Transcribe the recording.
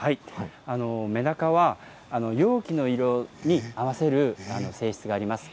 めだかは容器の色に合わせる性質があります。